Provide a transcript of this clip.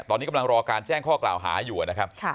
ตอนนี้กำลังรอการแจ้งข้อกล่าวหาอยู่นะครับ